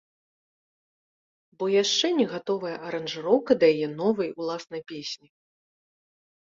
Бо яшчэ не гатовая аранжыроўка да яе новай уласнай песні.